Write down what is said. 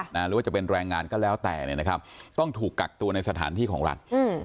หรือว่าจะเป็นแรงงานก็แล้วแต่เนี่ยนะครับต้องถูกกักตัวในสถานที่ของรัฐ